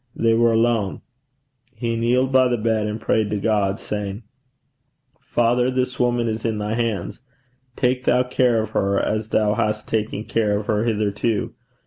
They were alone. He kneeled by the bed, and prayed to God, saying, 'Father, this woman is in thy hands. Take thou care of her, as thou hast taken care of her hitherto.